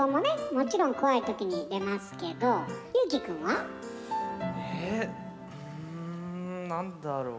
もちろん怖い時に出ますけど優樹君は？えうん何だろう。